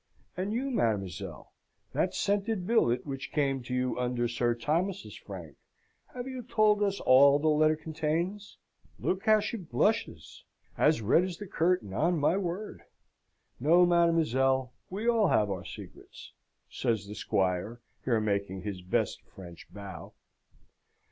"And you, mademoiselle? That scented billet which came to you under Sir Thomas's frank, have you told us all the letter contains? Look how she blushes! As red as the curtain, on my word! No, mademoiselle, we all have our secrets" (says the Squire, here making his best French bow).